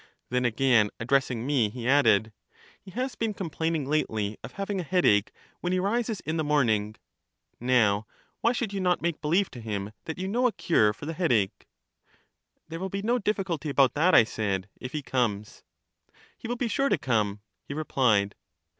Then again addressing me, he added: He has been complaining lately of having a headache when he rises in the morning: now why should you not make believe to him that you know a cure for the headache? There will be no difficulty about that, I said, if he comes. He will be sure to come, he replied.